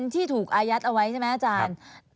ที่ถูกอายัดเอาไว้ใช่ไหมอาจารย์